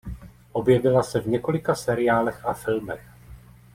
Objevila se v několika seriálech a filmech.